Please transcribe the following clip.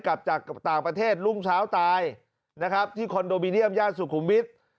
กลับจากต่างประเทศรุ่งเช้าตายนะครับที่คอนโดมิเนียมย่านสุขุมวิทย์